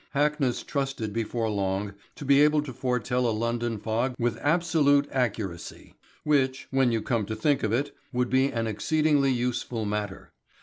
Hackness trusted before long to be able to foretell a London fog with absolute accuracy, which, when you come to think of it, would be an exceedingly useful matter.